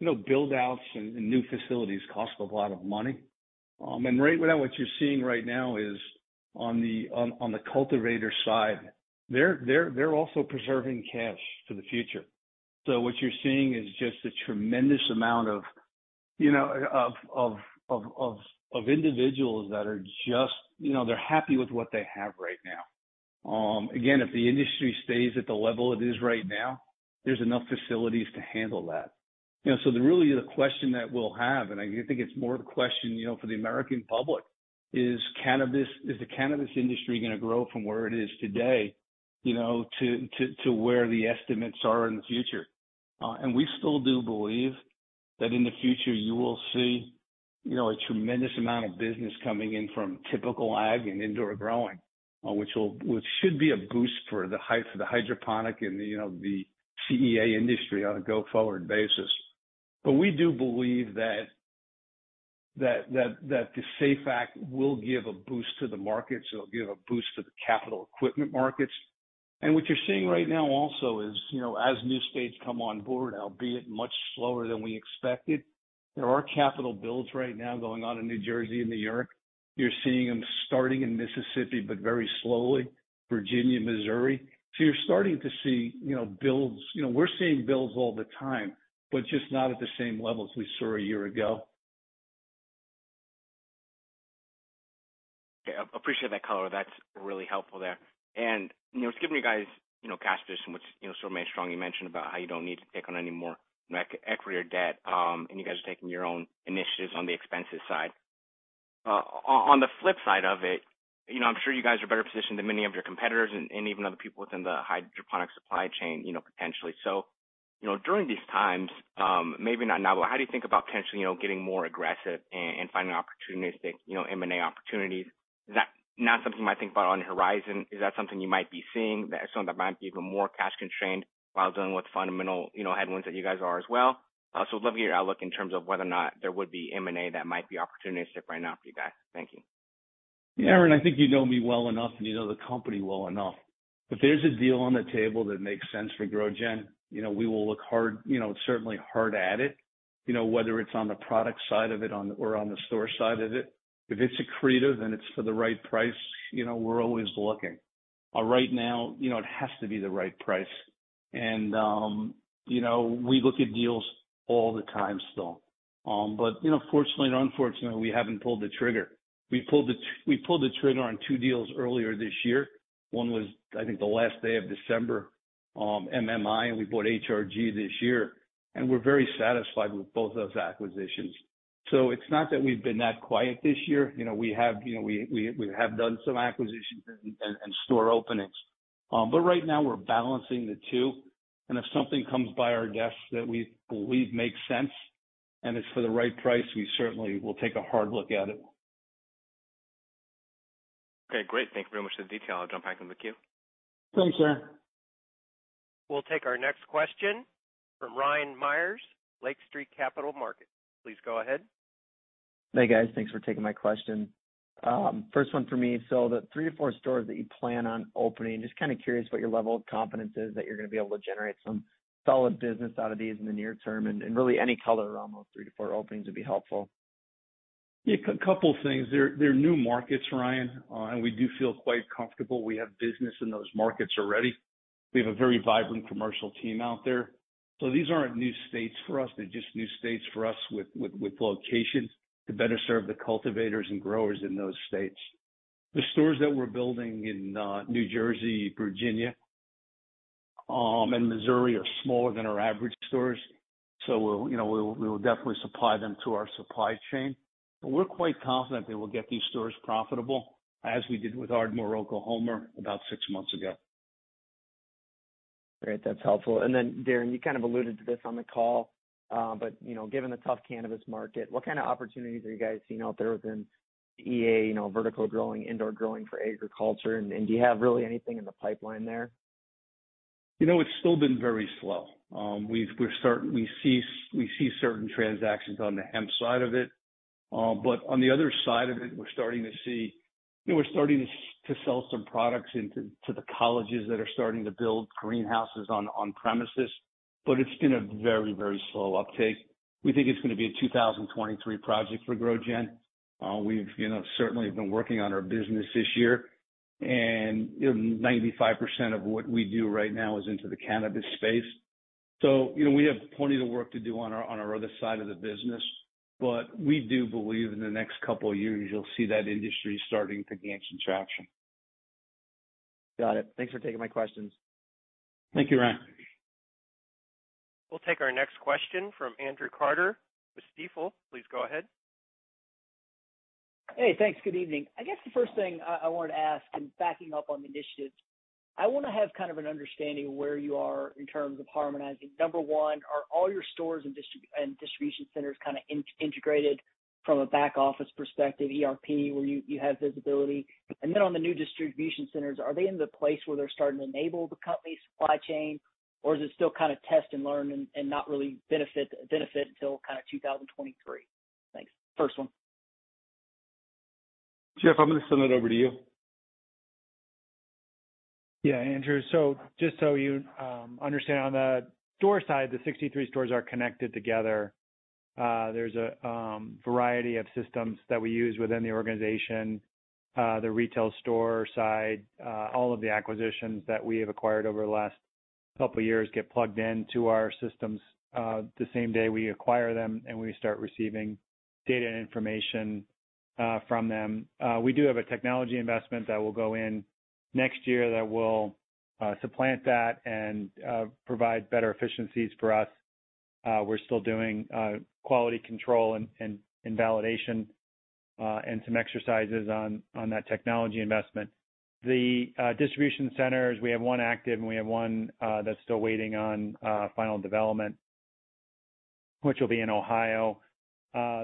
Speaker 3: you know, build outs and new facilities cost a lot of money. Right now what you're seeing is on the cultivator side, they're also preserving cash for the future. What you're seeing is just a tremendous amount of, you know, of individuals that are just, you know, they're happy with what they have right now. Again, if the industry stays at the level it is right now, there's enough facilities to handle that. Really the question that we'll have, and I think it's more the question, you know, for the American public, is the cannabis industry gonna grow from where it is today, you know, to where the estimates are in the future? We still do believe that in the future you will see, you know, a tremendous amount of business coming in from typical ag and indoor growing, which should be a boost for the hydroponic and the, you know, the CEA industry on a go-forward basis. We do believe that the SAFE Act will give a boost to the markets. It'll give a boost to the capital equipment markets. What you're seeing right now also is, you know, as new states come on board, albeit much slower than we expected, there are capital builds right now going on in New Jersey and New York. You're seeing them starting in Mississippi, but very slowly. Virginia, Missouri. You're starting to see, you know, builds. You know, we're seeing builds all the time, but just not at the same levels we saw a year ago.
Speaker 6: Okay. Appreciate that color. That's really helpful there. You know, just given you guys, you know, cash position, which, you know, someone strongly mentioned about how you don't need to take on any more equity or debt, and you guys are taking your own initiatives on the expenses side. On the flip side of it, you know, I'm sure you guys are better positioned than many of your competitors and even other people within the hydroponic supply chain, you know, potentially. You know, during these times, maybe not now, but how do you think about potentially, you know, getting more aggressive and finding opportunistic, you know, M&A opportunities? Is that not something you might think about on the horizon? Is that something you might be seeing that some that might be even more cash constrained while dealing with fundamental, you know, headwinds that you guys are as well? Would love to hear your outlook in terms of whether or not there would be M&A that might be opportunistic right now for you guys. Thank you.
Speaker 3: Aaron, I think you know me well enough, and you know the company well enough. If there's a deal on the table that makes sense for GrowGen, you know, we will look hard, you know, certainly hard at it, you know, whether it's on the product side of it or on the store side of it. If it's accretive and it's for the right price, you know, we're always looking. Right now, you know, it has to be the right price. You know, we look at deals all the time still. You know, fortunately or unfortunately, we haven't pulled the trigger. We pulled the trigger on two deals earlier this year. One was, I think, the last day of December, MMI, and we bought HRG this year, and we're very satisfied with both those acquisitions. It's not that we've been that quiet this year, you know, we have, you know, we have done some acquisitions and store openings. Right now we're balancing the two. If something comes by our desk that we believe makes sense and it's for the right price, we certainly will take a hard look at it.
Speaker 6: Okay, great. Thank you very much for the detail. I'll jump back in the queue.
Speaker 3: Thanks, Aaron.
Speaker 1: We'll take our next question from Ryan Meyers, Lake Street Capital Markets. Please go ahead.
Speaker 7: Hey, guys. Thanks for taking my question. First one for me. The three to four stores that you plan on opening, just kind of curious what your level of confidence is that you're gonna be able to generate some solid business out of these in the near term, and really any color around those three to four openings would be helpful.
Speaker 3: Yeah. A couple things. They're new markets, Ryan, and we do feel quite comfortable. We have business in those markets already. We have a very vibrant commercial team out there. So these aren't new states for us. They're just new states for us with locations to better serve the cultivators and growers in those states. The stores that we're building in New Jersey, Virginia, and Missouri are smaller than our average stores, so we'll, you know, we will definitely supply them to our supply chain. But we're quite confident that we'll get these stores profitable, as we did with Ardmore, Oklahoma, about six months ago.
Speaker 7: Great. That's helpful. Then, Darren, you kind of alluded to this on the call, but you know, given the tough cannabis market, what kind of opportunities are you guys seeing out there within CEA, you know, vertical growing, indoor growing for agriculture? Do you have really anything in the pipeline there?
Speaker 3: You know, it's still been very slow. We're starting to see certain transactions on the hemp side of it. But on the other side of it, we're starting to see. You know, we're starting to sell some products into the colleges that are starting to build greenhouses on premises, but it's been a very, very slow uptake. We think it's gonna be a 2023 project for GrowGen. You know, certainly been working on our business this year. You know, 95% of what we do right now is into the cannabis space. You know, we have plenty of work to do on our other side of the business, but we do believe in the next couple of years, you'll see that industry starting to gain some traction.
Speaker 7: Got it. Thanks for taking my questions.
Speaker 3: Thank you, Ryan.
Speaker 1: We'll take our next question from Andrew Carter with Stifel. Please go ahead.
Speaker 8: Hey, thanks. Good evening. I guess the first thing I wanted to ask, backing up on the initiatives, I wanna have kind of an understanding of where you are in terms of harmonizing. Number one, are all your stores and distribution centers kinda integrated from a back office perspective, ERP, where you have visibility? And then on the new distribution centers, are they in the place where they're starting to enable the company supply chain, or is it still kind of test and learn and not really benefit until kinda 2023? Thanks.
Speaker 3: Jeff, I'm gonna send that over to you.
Speaker 4: Yeah, Andrew. Just so you understand, on the store side, the 63 stores are connected together. There's a variety of systems that we use within the organization. The retail store side, all of the acquisitions that we have acquired over the last couple of years get plugged into our systems, the same day we acquire them, and we start receiving data and information from them. We do have a technology investment that will go in next year that will supplant that and provide better efficiencies for us. We're still doing quality control and validation and some exercises on that technology investment. The distribution centers, we have one active, and we have one that's still waiting on final development, which will be in Ohio.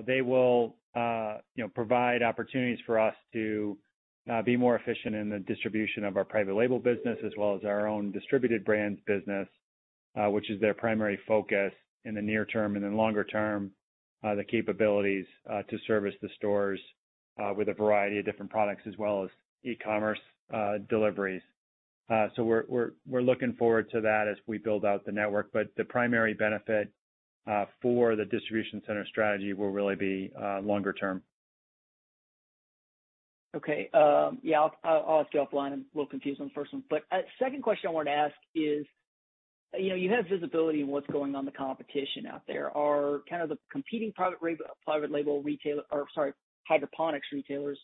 Speaker 4: They will, you know, provide opportunities for us to be more efficient in the distribution of our private label business as well as our own distributed brands business, which is their primary focus in the near term. Longer term, the capabilities to service the stores with a variety of different products as well as e-commerce deliveries. We're looking forward to that as we build out the network. The primary benefit for the distribution center strategy will really be longer term.
Speaker 8: Okay. Yeah, I'll have to offline. I'm a little confused on the first one. Second question I wanted to ask is, you know, you have visibility on what's going on in the competition out there. Are kind of the competing private label retail or, sorry, hydroponics retailers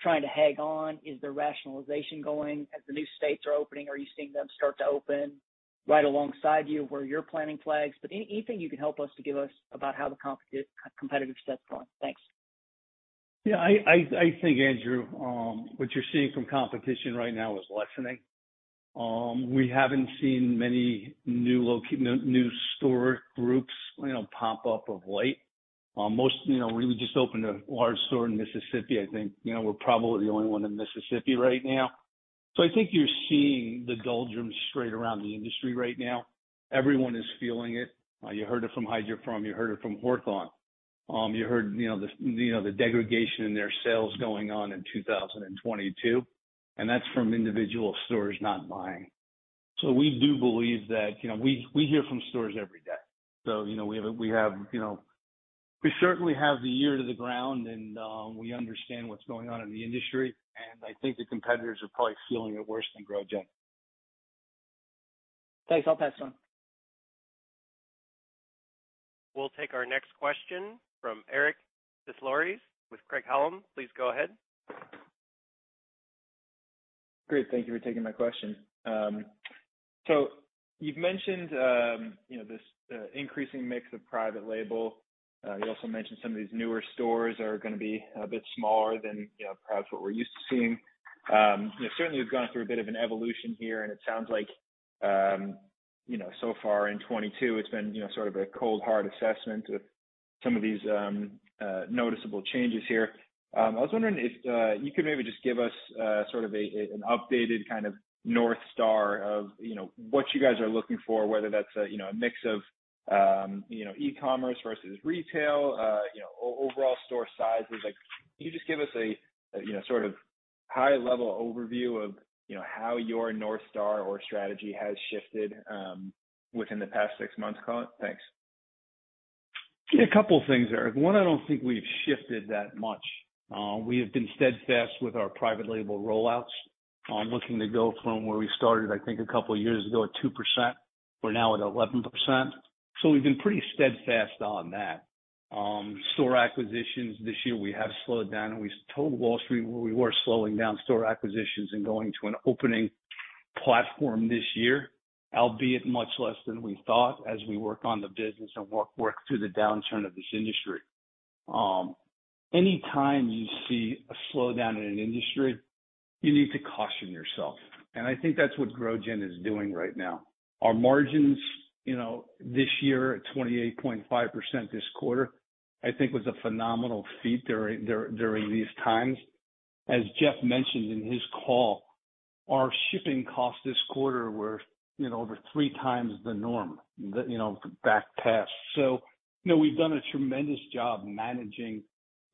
Speaker 8: trying to hang on? Is there rationalization going as the new states are opening? Are you seeing them start to open right alongside you where you're planting flags? Anything you can help us to give us about how the competitive set is going. Thanks.
Speaker 3: I think, Andrew, what you're seeing from competition right now is lessening. We haven't seen many new store groups, you know, pop up of late. We just opened a large store in Mississippi. I think, you know, we're probably the only one in Mississippi right now. I think you're seeing the doldrums straight around the industry right now. Everyone is feeling it. You heard it from Hydrofarm, you heard it from Hawthorne. You heard the degradation in their sales going on in 2022, and that's from individual stores not buying. We do believe that. You know, we hear from stores every day. You know, we have you know, we certainly have the ear to the ground and we understand what's going on in the industry, and I think the competitors are probably feeling it worse than GrowGen.
Speaker 8: Thanks. I'll pass on.
Speaker 1: We'll take our next question from Eric Des Lauriers with Craig-Hallum. Please go ahead.
Speaker 9: Great. Thank you for taking my question. You've mentioned, you know, this increasing mix of private label. You also mentioned some of these newer stores are gonna be a bit smaller than, you know, perhaps what we're used to seeing. You certainly have gone through a bit of an evolution here, and it sounds like, you know, so far in 2022 it's been, you know, sort of a cold, hard assessment with some of these noticeable changes here. I was wondering if you could maybe just give us sort of an updated kind of north star of, you know, what you guys are looking for, whether that's a, you know, a mix of, you know, e-commerce versus retail, you know, overall store sizes. Like, can you just give us a, you know, sort of high level overview of, you know, how your north star or strategy has shifted within the past six months gone? Thanks.
Speaker 3: Yeah. A couple of things, Eric. One, I don't think we've shifted that much. We have been steadfast with our private label rollouts. Looking to go from where we started, I think a couple of years ago at 2%, we're now at 11%, so we've been pretty steadfast on that. Store acquisitions this year, we have slowed down, and we told Wall Street we were slowing down store acquisitions and going to an opening platform this year, albeit much less than we thought as we work on the business and work through the downturn of this industry. Any time you see a slowdown in an industry, you need to caution yourself, and I think that's what GrowGen is doing right now. Our margins, you know, this year at 28.5% this quarter, I think was a phenomenal feat during these times. As Jeff mentioned in his call, our shipping costs this quarter were, you know, over three times the norm, you know, back past. You know, we've done a tremendous job managing,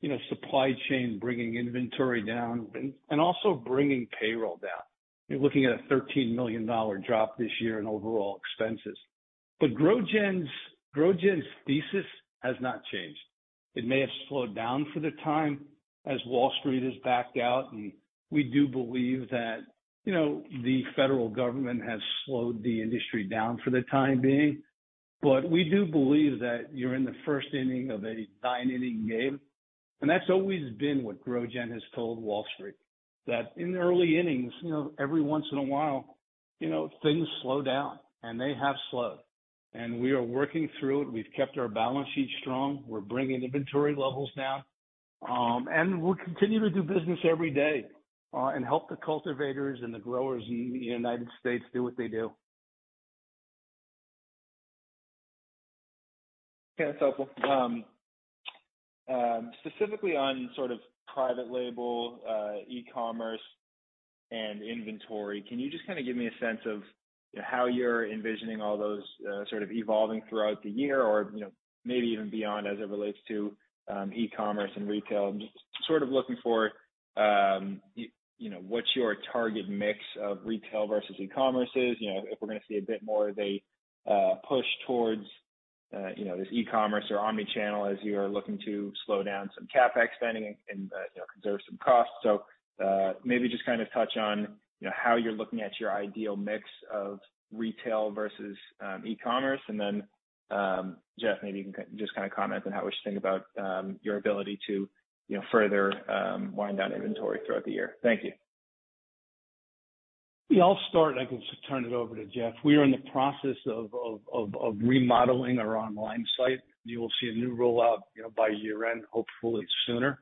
Speaker 3: you know, supply chain, bringing inventory down and also bringing payroll down. You're looking at a $13 million drop this year in overall expenses. GrowGen's thesis has not changed. It may have slowed down for the time as Wall Street has backed out, and we do believe that, you know, the federal government has slowed the industry down for the time being. We do believe that you're in the first inning of a nine-inning game, and that's always been what GrowGen has told Wall Street, that in the early innings, you know, every once in a while, you know, things slow down, and they have slowed. We are working through it. We've kept our balance sheet strong. We're bringing inventory levels down. We'll continue to do business every day, and help the cultivators and the growers in the United States do what they do.
Speaker 9: Okay. That's helpful. Specifically on sort of private label, e-commerce and inventory, can you just kind of give me a sense of how you're envisioning all those, sort of evolving throughout the year or, you know, maybe even beyond as it relates to, e-commerce and retail? I'm just sort of looking for, you know, what your target mix of retail versus e-commerce is. You know, if we're gonna see a bit more of a push towards, you know, this e-commerce or omni-channel as you are looking to slow down some CapEx spending and, you know, conserve some costs. Maybe just kind of touch on, you know, how you're looking at your ideal mix of retail versus, e-commerce. Jeff, maybe you can just kind of comment on how we should think about your ability to, you know, further wind down inventory throughout the year? Thank you.
Speaker 3: Yeah, I'll start, and I can turn it over to Jeff. We are in the process of remodeling our online site. You will see a new rollout, you know, by year-end, hopefully sooner.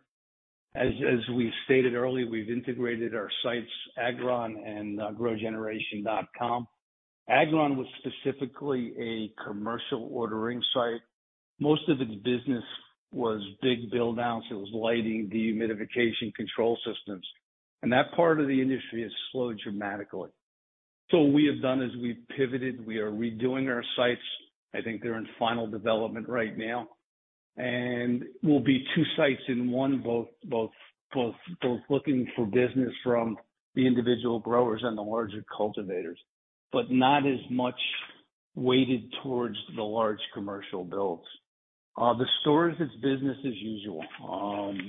Speaker 3: As we stated earlier, we've integrated our sites, Agron and growgeneration.com. Agron was specifically a commercial ordering site. Most of its business was big build-outs. It was lighting, dehumidification control systems. That part of the industry has slowed dramatically. What we have done is we've pivoted. We are redoing our sites. I think they're in final development right now. We'll be two sites in one, both looking for business from the individual growers and the larger cultivators, but not as much weighted towards the large commercial builds. The stores, it's business as usual.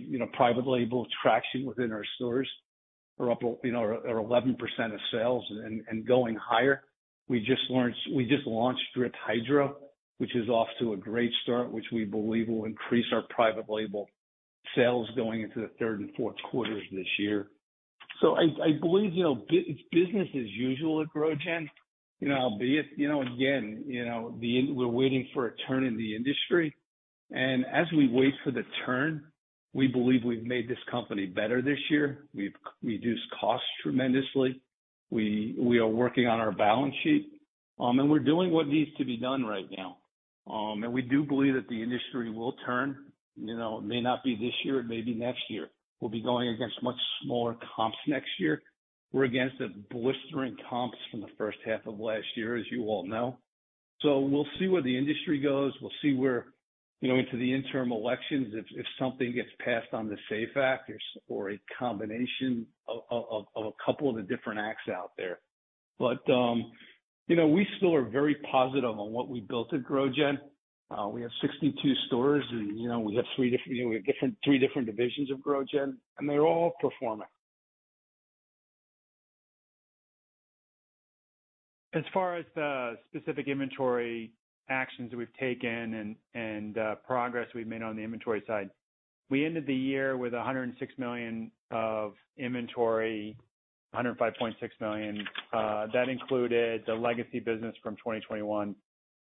Speaker 3: You know, private label traction within our stores are up, you know, over 11% of sales and going higher. We just launched Drip Hydro, which is off to a great start, which we believe will increase our private label sales going into the third and fourth quarters this year. I believe, you know, it's business as usual at GrowGen, you know, albeit, you know, again, you know, we're waiting for a turn in the industry. As we wait for the turn, we believe we've made this company better this year. We've reduced costs tremendously. We are working on our balance sheet, and we're doing what needs to be done right now. We do believe that the industry will turn, you know. It may not be this year, it may be next year. We'll be going against much smaller comps next year. We're against the blistering comps from the first half of last year, as you all know. We'll see where the industry goes. We'll see where into the midterm elections if something gets passed on the SAFE Act or a combination of a couple of the different acts out there. We still are very positive on what we built at GrowGen. We have 62 stores and we have three different divisions of GrowGen, and they're all performing.
Speaker 4: As far as the specific inventory actions we've taken and progress we've made on the inventory side, we ended the year with $106 million of inventory, $105.6 million. That included the legacy business from 2021,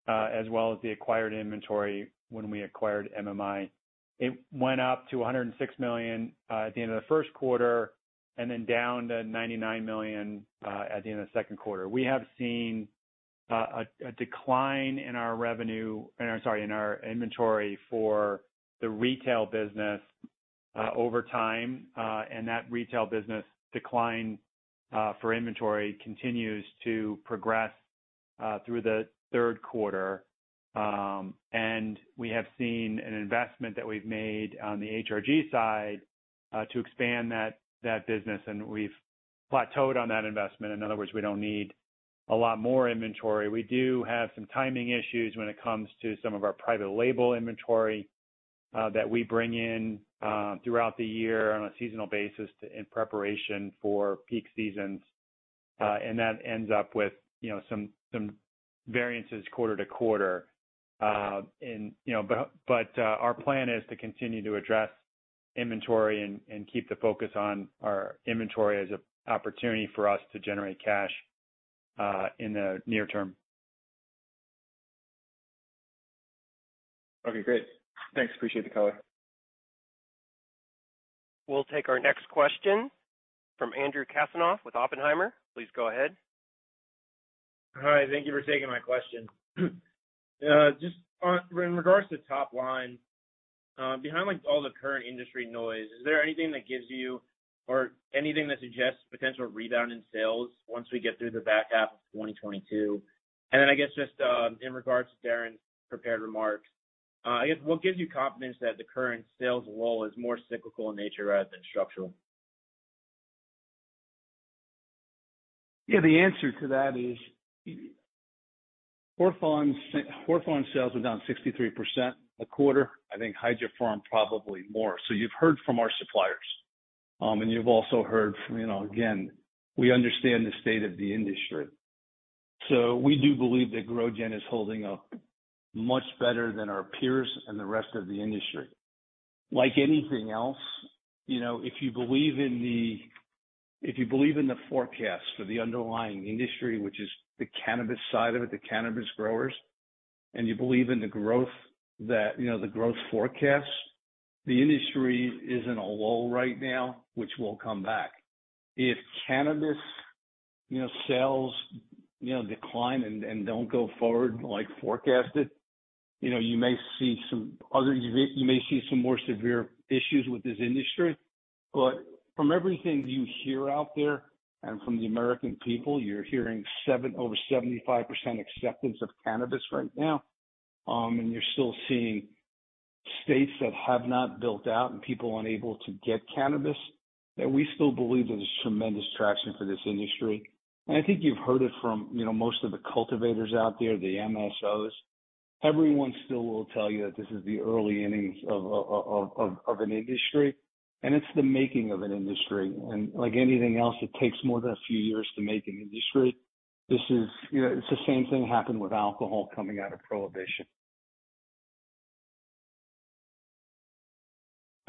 Speaker 4: as well as the acquired inventory when we acquired MMI. It went up to $106 million at the end of the first quarter and then down to $99 million at the end of the second quarter. We have seen a decline in our inventory for the retail business over time. And that retail business decline for inventory continues to progress through the third quarter. We have seen an investment that we've made on the HRG side to expand that business, and we've plateaued on that investment. In other words, we don't need a lot more inventory. We do have some timing issues when it comes to some of our private label inventory that we bring in throughout the year on a seasonal basis in preparation for peak seasons. That ends up with, you know, some variances quarter to quarter. Our plan is to continue to address inventory and keep the focus on our inventory as a opportunity for us to generate cash in the near term. Okay, great. Thanks. Appreciate the color.
Speaker 1: We'll take our next question from Andrew Chasanoff with Oppenheimer. Please go ahead.
Speaker 10: Hi, thank you for taking my question. Just in regards to top-line, behind like all the current industry noise, is there anything that gives you or anything that suggests potential rebound in sales once we get through the back half of 2022? Then I guess just in regards to Darren's prepared remarks, I guess what gives you confidence that the current sales wall is more cyclical in nature rather than structural?
Speaker 3: Yeah, the answer to that is, Hawthorne's sales were down 63% a quarter. I think Hydrofarm probably more. You've heard from our suppliers, and you've also heard from, you know, again, we understand the state of the industry. We do believe that GrowGen is holding up much better than our peers and the rest of the industry. Like anything else, you know, if you believe in the forecast for the underlying industry, which is the cannabis side of it, the cannabis growers, and you believe in the growth forecasts, the industry is in a lull right now, which will come back. If cannabis sales decline and don't go forward like forecasted, you may see some more severe issues with this industry. From everything you hear out there and from the American people, you're hearing over 75% acceptance of cannabis right now. You're still seeing states that have not built out and people unable to get cannabis, that we still believe there's tremendous traction for this industry. I think you've heard it from, you know, most of the cultivators out there, the MSOs. Everyone still will tell you that this is the early innings of an industry, and it's the making of an industry. Like anything else, it takes more than a few years to make an industry. This is, you know, it's the same thing happened with alcohol coming out of prohibition.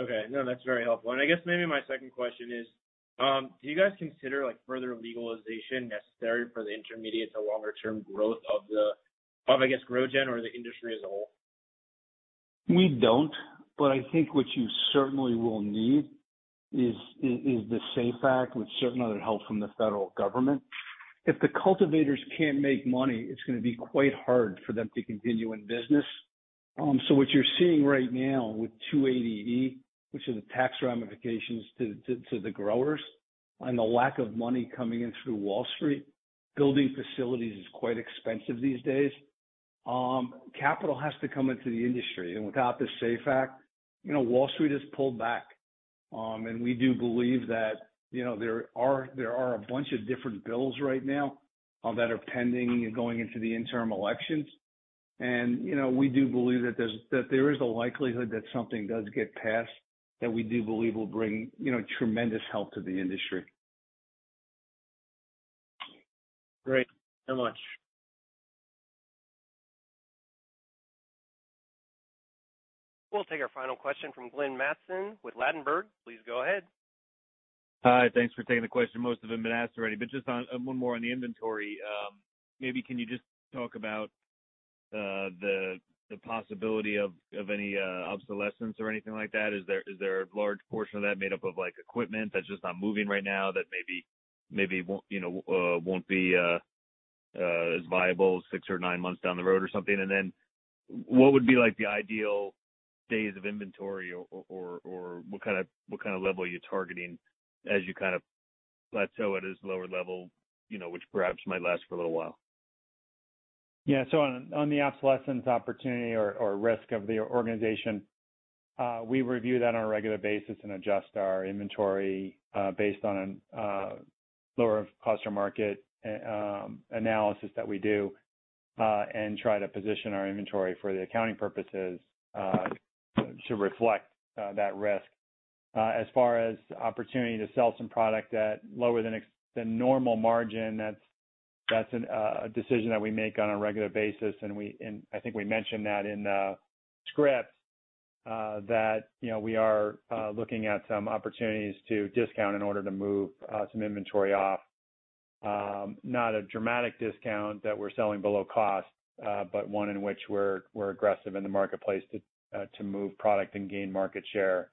Speaker 10: Okay. No, that's very helpful. I guess maybe my second question is, do you guys consider like further legalization necessary for the intermediate to longer term growth of the, of I guess GrowGen or the industry as a whole?
Speaker 3: We don't. I think what you certainly will need is the SAFE Act with certain other help from the federal government. If the cultivators can't make money, it's gonna be quite hard for them to continue in business. What you're seeing right now with 280E, which is the tax ramifications to the growers and the lack of money coming in through Wall Street, building facilities is quite expensive these days. Capital has to come into the industry. Without the SAFE Act, you know, Wall Street has pulled back. We do believe that, you know, there are a bunch of different bills right now that are pending and going into the midterm elections. You know, we do believe that there is a likelihood that something does get passed that we do believe will bring, you know, tremendous help to the industry.
Speaker 10: Great. Thanks so much.
Speaker 1: We'll take our final question from Glenn Mattson with Ladenburg. Please go ahead.
Speaker 11: Hi. Thanks for taking the question. Most of them have been asked already, but just on one more on the inventory. Maybe can you just talk about the possibility of any obsolescence or anything like that? Is there a large portion of that made up of like equipment that's just not moving right now that maybe won't, you know, won't be as viable six or nine months down the road or something? What would be like the ideal days of inventory or what kind of level are you targeting as you kind of plateau at this lower level, you know, which perhaps might last for a little while?
Speaker 4: Yeah. On the obsolescence opportunity or risk of the organization, we review that on a regular basis and adjust our inventory based on lower cost or market analysis that we do, and try to position our inventory for the accounting purposes to reflect that risk. As far as opportunity to sell some product at lower than normal margin, that's a decision that we make on a regular basis. I think we mentioned that in the script, that you know, we are looking at some opportunities to discount in order to move some inventory off. Not a dramatic discount that we're selling below cost, but one in which we're aggressive in the marketplace to move product and gain market share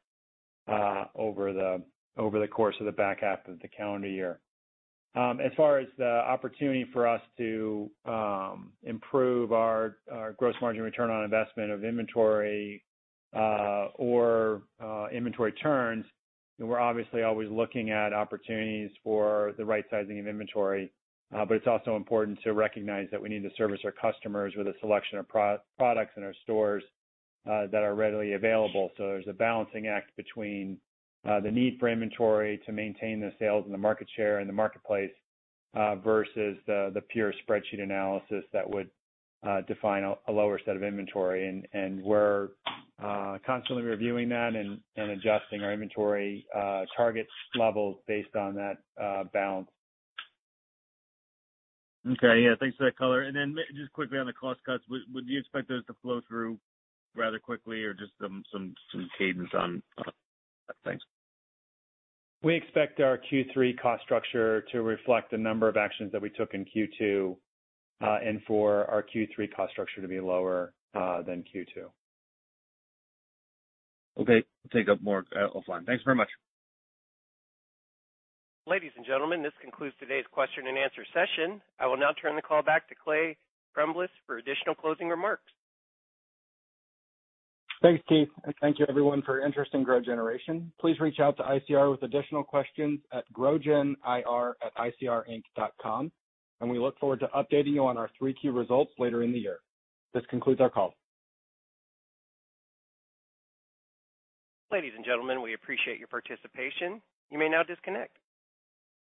Speaker 4: over the course of the back half of the calendar year. As far as the opportunity for us to improve our gross margin return on investment of inventory or inventory turns, we're obviously always looking at opportunities for the right sizing of inventory. It's also important to recognize that we need to service our customers with a selection of proprietary products in our stores that are readily available. There's a balancing act between the need for inventory to maintain the sales and the market share in the marketplace versus the pure spreadsheet analysis that would define a lower set of inventory. We're constantly reviewing that and adjusting our inventory target levels based on that balance.
Speaker 11: Okay. Yeah, thanks for that color. Then just quickly on the cost cuts, would you expect those to flow through rather quickly or just some cadence on. Thanks.
Speaker 4: We expect our Q3 cost structure to reflect the number of actions that we took in Q2, and for our Q3 cost structure to be lower than Q2.
Speaker 6: Okay. Take up more offline. Thanks very much.
Speaker 1: Ladies and gentlemen, this concludes today's question and answer session. I will now turn the call back to Clay Crumbliss for additional closing remarks.
Speaker 2: Thanks, Keith. I thank you, everyone, for your interest in GrowGeneration. Please reach out to ICR with additional questions at GrowGenIR@icrinc.com. We look forward to updating you on our Q3 key results later in the year. This concludes our call.
Speaker 1: Ladies and gentlemen, we appreciate your participation. You may now disconnect.